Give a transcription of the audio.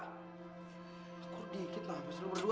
aku dikit lah apa sih lo berdua